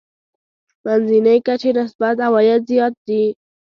منځنۍ کچې نسبت عوايد زیات دي.